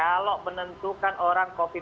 kalau menentukan orang covid